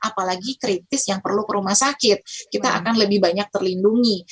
apalagi kritis yang perlu ke rumah sakit kita akan lebih banyak terlindungi